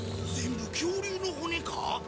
全部恐竜の骨か？